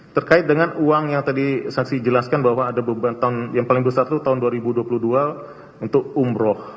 terkait dengan uang yang tadi saksi jelaskan bahwa ada beban tahun yang paling besar itu tahun dua ribu dua puluh dua untuk umroh